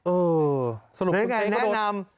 เออสรุปคุณเต๊ะก็โดด